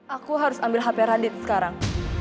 aku harus ambil hp randit sekarang